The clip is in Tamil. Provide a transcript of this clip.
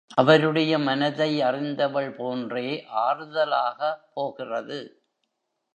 அவருடைய மனதை அறிந்தவள் போன்றே ஆறுதலாக, போகிறது.